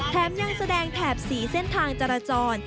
ยังแสดงแถบสีเส้นทางจราจร